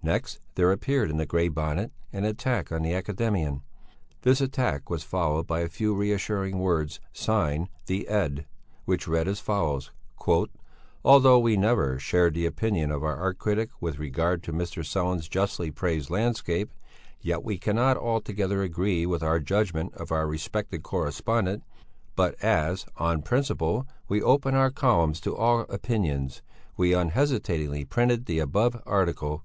Next there appeared in the Grey Bonnet an attack on the academician; this attack was followed by a few reassuring words signed "The Ed." which read as follows: "Although we never shared the opinion of our art critic with regard to Mr. Sellén's justly praised landscape, yet we cannot altogether agree with the judgment of our respected correspondent; but as, on principle, we open our columns to all opinions, we unhesitatingly printed the above article."